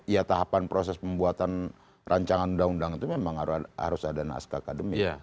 ya tahapan proses pembuatan rancangan undang undang itu memang harus ada naskah akademik